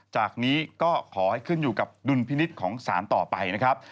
จากนี้ก็ขอให้ขึ้นอยู่กับดุลพินิษฐ์ของสารต่อไปนะครับ